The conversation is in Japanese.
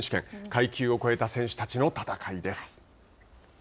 階級を越えた選手たちの戦いです。